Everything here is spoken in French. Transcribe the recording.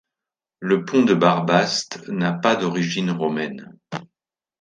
Le pont de Barbaste n'a pas d'origine romaine.